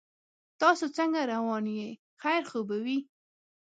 تاسو څنګه روان یې خیر خو به وي